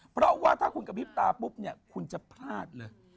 เพราะว่าถ้ากระพิบตาปุ๊บจะพลาดเลย